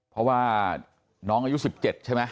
เพราะว่าน้องอายุ๑๗ใช่ไหม